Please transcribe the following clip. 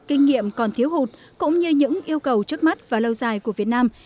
kinh nghiệm còn thiếu hụt cũng như những yêu cầu trước mắt và lâu dài của việt nam